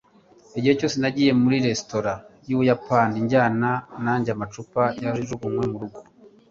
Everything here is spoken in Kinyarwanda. Igihe cyose nagiye muri resitora yUbuyapani njyana nanjye amacupa yajugunywe murugo